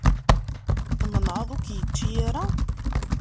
Tmenɛeḍ ur k-yečči ara.